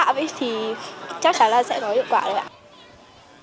thì chắc chắn là sẽ có hiệu quả rồi ạ